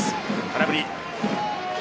空振り。